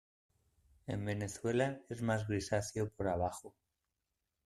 En Venezuela es más grisáceo por abajo.